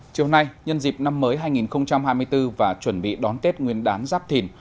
chiều nay nhân dịp năm mới hai nghìn hai mươi bốn và chuẩn bị đón tết nguyên đán giáp thìn